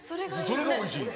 それがおいしい。